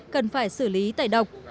cần phải xử lý tẩy độc